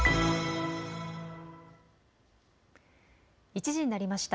１時になりました。